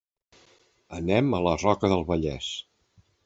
Anem a la Roca del Vallès.